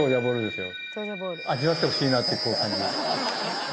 味わってほしいなって感じ。